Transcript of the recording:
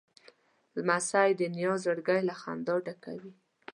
لمسی د نیا زړګی له خندا ډکوي.